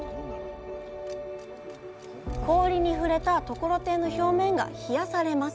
氷に触れたところてんの表面が冷やされます。